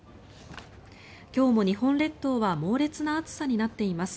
今日も日本列島は猛烈な暑さになっています。